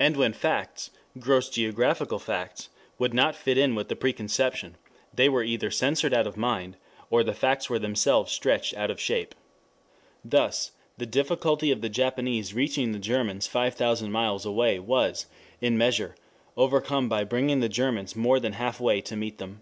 And when facts, gross geographical facts, would not fit with the preconception, they were either censored out of mind, or the facts were themselves stretched out of shape. Thus the difficulty of the Japanese reaching the Germans five thousand miles away was, in measure, overcome by bringing the Germans more than half way to meet them.